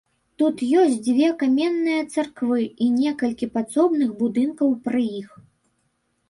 Тут ёсць дзве каменныя царквы і некалькі падсобных будынкаў пры іх.